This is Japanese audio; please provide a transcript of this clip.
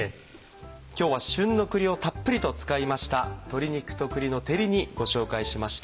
今日は旬の栗をたっぷりと使いました「鶏肉と栗の照り煮」ご紹介しました。